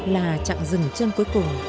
là chặng rừng chân cuối cùng